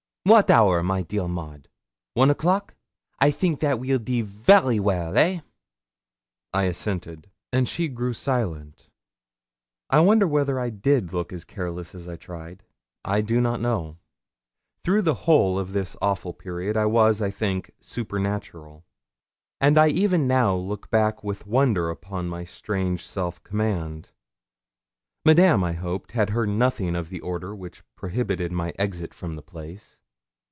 'Wat hour, my dear Maud? One o'clock? I think that weel de very well, eh?' I assented, and she grew silent. I wonder whether I did look as careless as I tried. I do not know. Through the whole of this awful period I was, I think, supernatural; and I even now look back with wonder upon my strange self command. Madame, I hoped, had heard nothing of the order which prohibited my exit from the place.